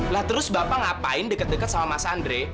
lah terus bapak ngapain deket deket sama mas andre